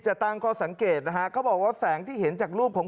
ตั้งข้อสังเกตนะฮะเขาบอกว่าแสงที่เห็นจากรูปของ